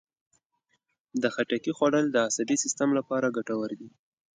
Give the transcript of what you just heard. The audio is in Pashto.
د خټکي خوړل د عصبي سیستم لپاره ګټور دي.